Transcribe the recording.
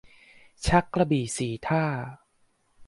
ชักกระบี่สี่ท่า